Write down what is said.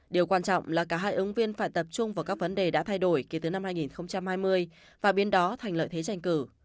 điều quan trọng là cả hai ứng viên phải tập trung vào các vấn đề đã thay đổi kể từ năm hai nghìn hai mươi và biến đó thành lợi thế tranh cử